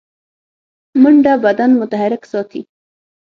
منډه بدن متحرک ساتي